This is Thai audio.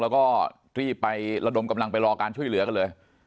แล้วก็รีบไประดมกำลังไปรอการช่วยเหลือกันเลย